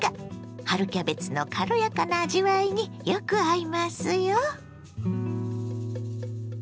春キャベツの軽やかな味わいによく合いますよ。